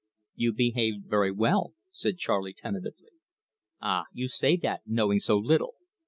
"You behaved very well," said Charley tentatively. "Ah, you say that, knowing so little!